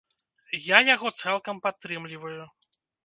Я яго цалкам падтрымліваю.